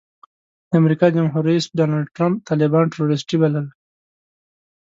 د امریکا جمهور رئیس ډانلډ ټرمپ طالبان ټروریسټي بلل.